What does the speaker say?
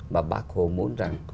và bác hồ muốn rằng